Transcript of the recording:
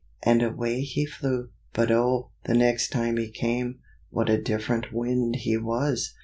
and away he flew. But oh! the next time he came, what a different Wind he was!